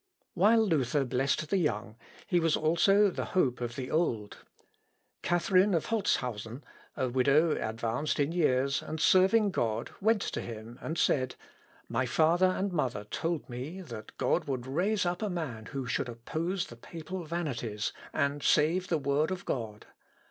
While Luther blessed the young, he was also the hope of the old. Catharine of Holzhausen, a widow advanced in years, and serving God, went to him, and said, "My father and mother told me that God would raise up a man who should oppose the papal vanities, and save the Word of God.